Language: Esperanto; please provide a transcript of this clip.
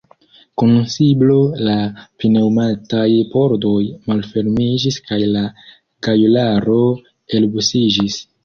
Kun siblo la pneŭmataj pordoj malfermiĝis kaj la gajularo elbusiĝis.